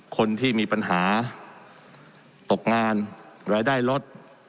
คนที่มีปัญหาตกงานรายได้ลด